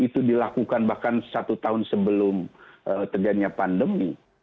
itu dilakukan bahkan satu tahun sebelum terjadinya pandemi